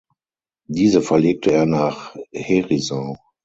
Diese verlegte er nach Herisau.